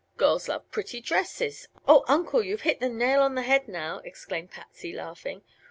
Girls love pretty dresses " "Oh, Uncle! you've hit the nail on the head now," exclaimed Patsy, laughing.